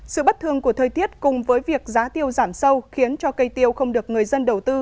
sự bất thường của thời tiết cùng với việc giá tiêu giảm sâu khiến cho cây tiêu không được người dân đầu tư